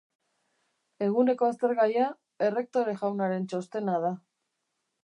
Eguneko aztergaia Errektore jaunaren txostena da.